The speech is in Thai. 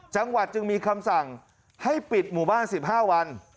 จังหวัดจึงมีคำสั่งให้ปิดหมู่บ้าน๑๕วัน